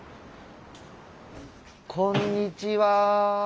こんにちは。